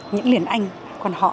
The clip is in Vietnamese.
những liền anh con họ